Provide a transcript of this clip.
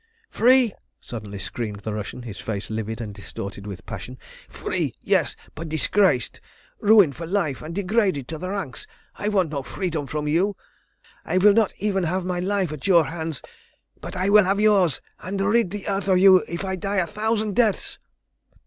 "Free!" suddenly screamed the Russian, his face livid and distorted with passion. "Free, yes, but disgraced! Ruined for life, and degraded to the ranks! I want no freedom from you. I will not even have my life at your hands, but I will have yours, and rid the earth of you if I die a thousand deaths!"